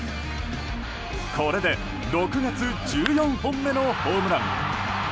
これで６月１４本目のホームラン。